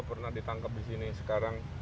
pernah ditangkap di sini sekarang